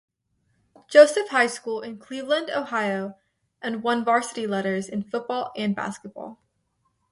Joseph High School in Cleveland, Ohio, and won varsity letters in football and basketball.